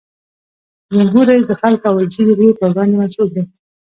جمهور رئیس د خلکو او ولسي جرګې په وړاندې مسؤل دی.